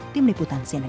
tim liputan siena